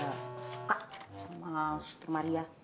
aku rada suka sama suter maria